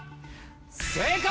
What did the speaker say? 正解！